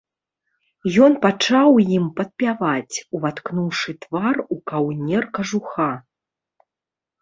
Ён пачаў ім падпяваць, уваткнуўшы твар у каўнер кажуха.